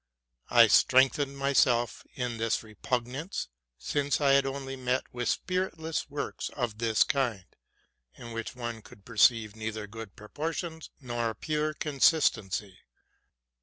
I strengthened myself in this repugnance, since I had only met with spiritless works of this kind, in which one could perceive neither good proportions nor a pure consistency.